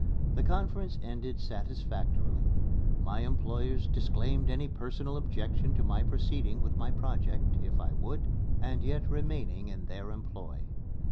The conference ended satisfactorily. My employers disclaimed any personal objection to my proceeding with my project, if I would, and yet remaining in their employ.